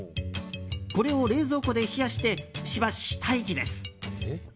これを冷蔵庫で冷やしてしばし待機です。